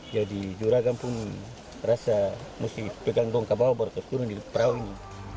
jadi juragam pun rasa mesti pegang bongka bawa baru terus turun di perahu ini